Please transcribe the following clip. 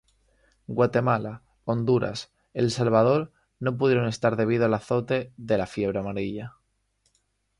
Guatemala, Honduras, El Salvador, no pudieron estar debido al azote de la fiebre amarilla.